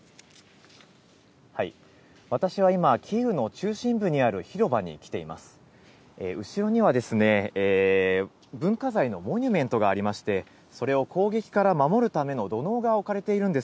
私は今、キーウの中心部にある広場に来ています。